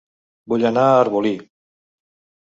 Vull anar a Arbolí